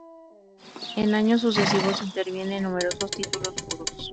En años sucesivos interviene en numerosos títulos mudos.